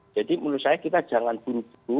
menurut saya kita jangan buru buru